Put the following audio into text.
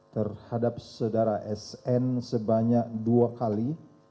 terhadap saudara sn sebanyak dua kali